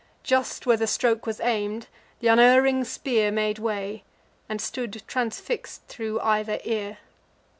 Just where the stroke was aim'd, th' unerring spear Made way, and stood transfix'd thro' either ear.